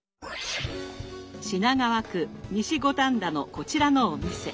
品川区西五反田のこちらのお店。